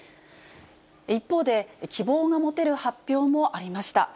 一方で、希望が持てる発表もありました。